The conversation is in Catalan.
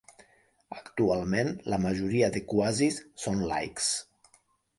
Actualment la majoria de quazis són laics.